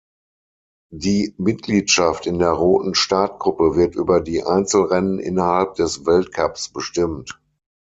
Die Mitgliedschaft in der roten Startgruppe wird über die Einzelrennen innerhalb des Weltcups bestimmt.